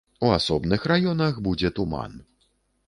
У асобных раёнах будзе туман.